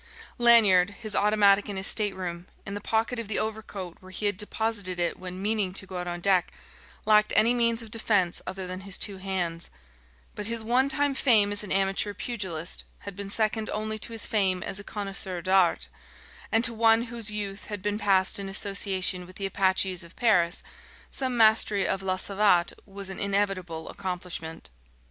Lanyard, his automatic in his stateroom, in the pocket of the overcoat where he had deposited it when meaning to go out on deck, lacked any means of defense other than his two hands; but his one time fame as an amateur pugilist had been second only to his fame as a connaisseur d'art; and to one whose youth had been passed in association with the Apaches of Paris, some mastery of la savate was an inevitable accomplishment.